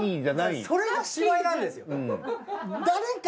それが芝居なんですよ。